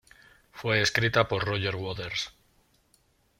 Fue escrita por Roger Waters.